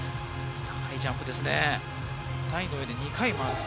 高いジャンプですね。